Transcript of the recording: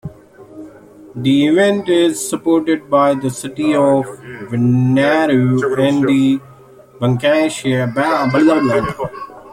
The event is supported by the City of Wanneroo and the Banksia Grove Partnership.